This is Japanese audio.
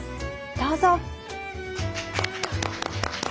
どうぞ！